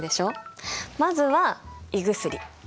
まずは胃薬。